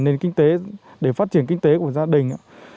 nền kinh tế để phát triển kinh tế của gia đình